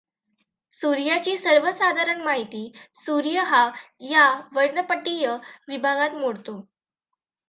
सूर्याची सर्वसाधारण माहिती सूर्य हा या वर्णपटीय विभागात मोडतो.